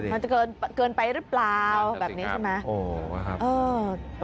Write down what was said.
มันจะเกินไปหรือเปล่าแบบนี้ใช่ไหม